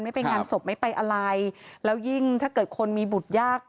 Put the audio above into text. ไม่ไปงานศพไม่ไปอะไรแล้วยิ่งถ้าเกิดคนมีบุตรยาก